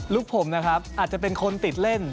ลูกผมนะครับอาจจะเป็นคนติดเล่น